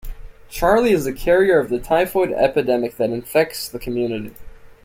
Charlie is the carrier of the typhoid epidemic that infects the community.